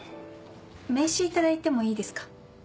名刺頂いてもいいですか？